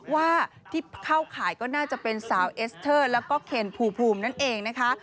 ว่าที่เข้าข่ายก็น่าจะเป็นสาวเอสเตอร์แล้วก็เคนภูมินั่นเองนะคะ